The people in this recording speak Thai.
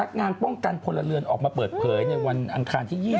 มันเคยเราเกิดจากทั้งพ่อทั้งแม่เคยได้ยินว่าน้ำท่วมทะเลสายไหมล่ะ